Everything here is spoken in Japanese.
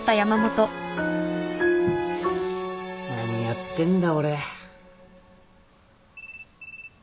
何やってんだ俺。